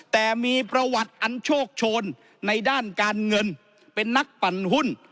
แต่มีประวัติอันโชคโชนในด้านการเงินเป็นนักปั่นหุ้น